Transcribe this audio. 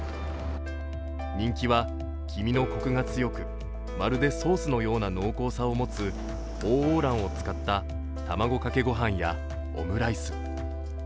人気は、黄身のこくが強く、まるでソースのような濃厚さを持つ鳳凰卵を使った卵かけご飯やオムライス。